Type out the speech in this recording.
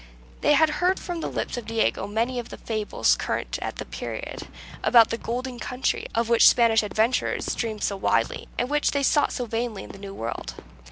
They had heard from the lips of Diego many of the fables current at the period about the "golden country" of which Spanish adventurers dreamed so wildly, and which they sought so vainly in the New World.